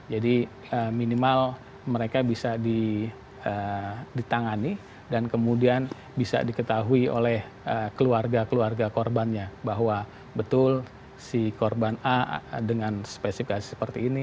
jadi minimal mereka bisa ditangani dan kemudian bisa diketahui oleh keluarga keluarga korbannya bahwa betul si korban a dengan spesifikasi seperti ini